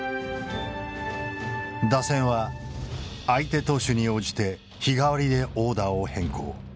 打線は相手投手に応じて日替わりでオーダーを変更。